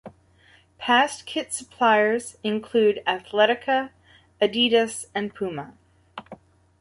Past kit suppliers include Atletica, Adidas and Puma.